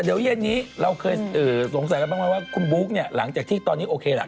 เดี๋ยวเย็นนี้เราเคยสงสัยกันบ้างไหมว่าคุณบุ๊กเนี่ยหลังจากที่ตอนนี้โอเคล่ะ